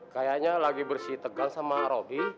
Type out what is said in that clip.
kayaknya lagi bersih tegang sama roh